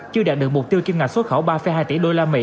chưa đạt được mục tiêu kim ngạch xuất khẩu ba hai tỷ usd